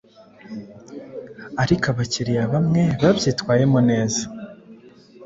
Ariko abakiriya bamwe babyitwayemoneza